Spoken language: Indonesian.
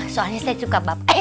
soalnya saya suka bapak